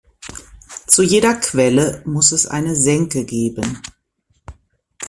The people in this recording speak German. Zu jeder Quelle muss es eine Senke geben.